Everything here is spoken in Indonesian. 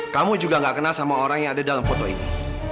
kamu juga gak kenal sama orang yang ada dalam foto ini